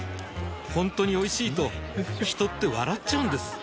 ほんとにおいしいと人って笑っちゃうんです